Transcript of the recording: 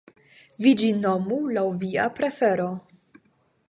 Vi ĝin nomu laŭ via prefero.